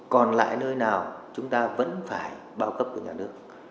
còn lại nơi nào chúng ta vẫn phải bao cấp của nhà nước